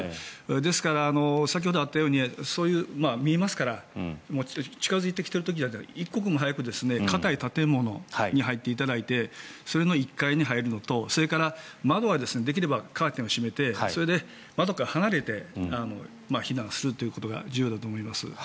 ですから、先ほどあったように見えますから近付いてきている時は一刻も早く硬い建物に入っていただいてそれの１階に入るのとそれから窓はできればカーテンを閉めてそれで窓から離れて避難するということが重要だと思います。